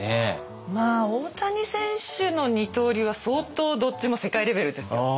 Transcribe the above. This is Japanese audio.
まあ大谷選手の二刀流は相当どっちも世界レベルですよ。